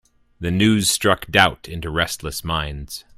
The news struck doubt into restless minds.